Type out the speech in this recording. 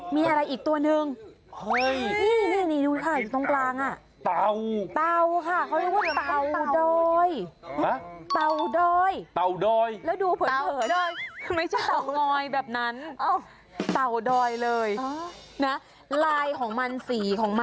มีอะไรอีกตัวหนึ่ง